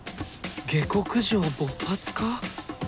下克上勃発か？